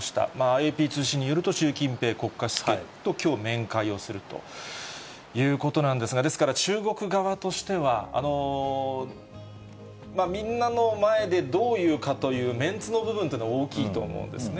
ＡＰ通信によると、習近平国家主席ときょう面会をするということなんですが、ですから、中国側としては、みんなの前でどう言うかというメンツの部分というのが大きいと思うんですね。